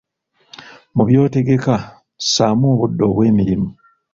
Mu by'otegeka, ssaamu obudde obw’emirimu.